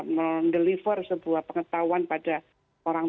mendeliver sebuah pengetahuan pada orang